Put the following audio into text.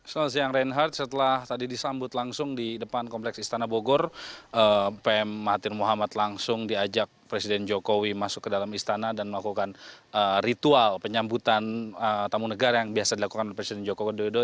selamat siang reinhardt setelah tadi disambut langsung di depan kompleks istana bogor pm mahathir muhammad langsung diajak presiden jokowi masuk ke dalam istana dan melakukan ritual penyambutan tamu negara yang biasa dilakukan oleh presiden joko widodo